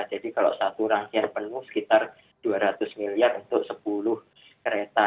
jadi kalau satu rangkaian penuh sekitar dua ratus miliar untuk sepuluh kereta